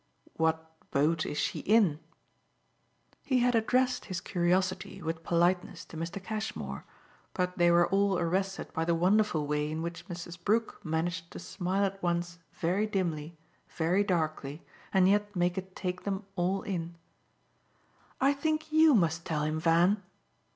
"What boat is she in?" He had addressed his curiosity, with politeness, to Mr. Cashmore, but they were all arrested by the wonderful way in which Mrs. Brook managed to smile at once very dimly, very darkly, and yet make it take them all in. "I think YOU must tell him, Van."